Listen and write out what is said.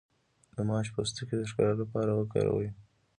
د ماش پوستکی د ښکلا لپاره وکاروئ